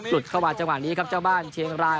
เข้ามาจังหวะนี้ครับเจ้าบ้านเชียงราย